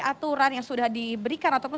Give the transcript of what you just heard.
aturan yang sudah diberikan ataupun